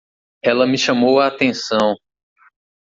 Ela me chamou a atenção!